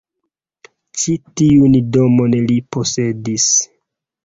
Ĉi tiun domon li posedis.